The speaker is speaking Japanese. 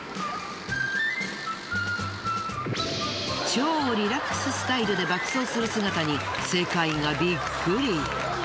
超リラックススタイルで爆走する姿に世界がビックリ。